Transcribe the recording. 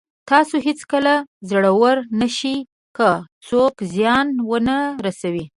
تاسو هېڅکله زړور نه شئ که څوک زیان ونه رسوي.